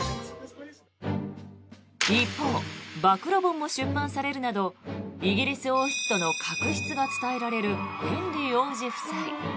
一方、暴露本も出版されるなどイギリス王室との確執が伝えられるヘンリー王子夫妻。